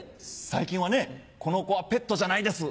最近はねこのコはペットじゃないです。